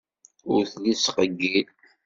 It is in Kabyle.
Ur telli tettqeyyil.